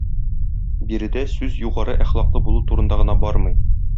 Биредә сүз югары әхлаклы булу турында гына бармый.